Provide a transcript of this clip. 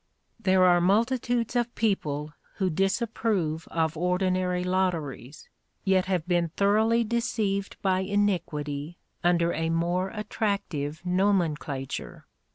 There are multitudes of people who disapprove of ordinary lotteries, yet have been thoroughly deceived by iniquity under a more attractive nomenclature.